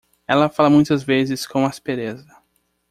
Ela fala muitas vezes com aspereza